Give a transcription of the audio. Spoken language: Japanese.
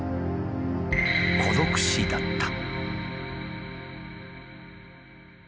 「孤独死」だった。